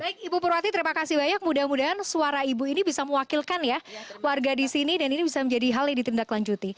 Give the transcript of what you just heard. baik ibu purwati terima kasih banyak mudah mudahan suara ibu ini bisa mewakilkan ya warga di sini dan ini bisa menjadi hal yang ditindaklanjuti